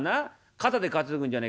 肩で担ぐんじゃねえ。